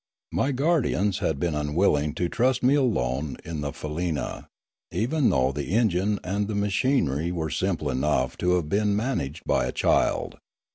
My guardians had been unwilling to trust me alone in the faleena, even though the engine and the machinery were simple enough to have been man aged by a child.